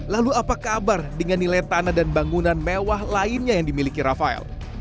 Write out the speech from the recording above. lalu apa kabar dengan nilai tanah dan bangunan mewah lainnya yang dimiliki rafael